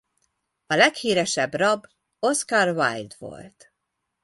A leghíresebb rab Oscar Wilde volt.